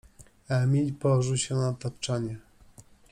Emil położył się na tapczanie.